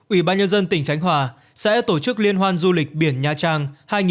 ủy ban nhân dân tỉnh khánh hòa sẽ tổ chức liên hoan du lịch biển nha trang hai nghìn một mươi chín